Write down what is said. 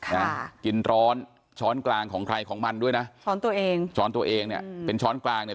นะกินร้อนช้อนกลางของใครของมันด้วยนะช้อนตัวเองช้อนตัวเองเนี้ยเป็นช้อนกลางเนี่ย